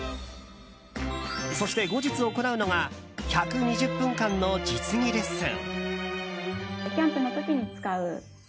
そして、後日行うのが１２０分間の実技レッスン。